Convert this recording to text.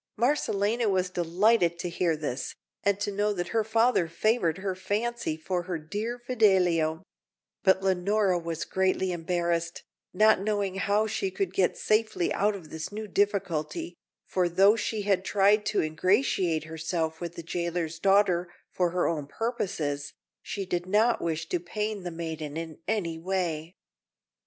Marcellina was delighted to hear this, and to know that her father favoured her fancy for her dear Fidelio; but Leonora was greatly embarrassed, not knowing how she could get safely out of this new difficulty, for though she had tried to ingratiate herself with the jailer's daughter for her own purposes, she did not wish to pain the maiden in any way.